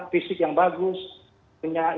fisik yang bagus punya